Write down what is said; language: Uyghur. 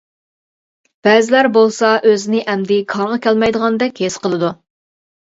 بەزىلەر بولسا ئۆزىنى ئەمدى كارغا كەلمەيدىغاندەك ھېس قىلىدۇ.